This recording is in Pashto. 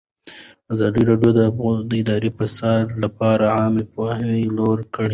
ازادي راډیو د اداري فساد لپاره عامه پوهاوي لوړ کړی.